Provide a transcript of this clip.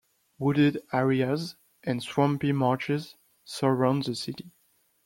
Wooded areas and swampy marshes surround the city.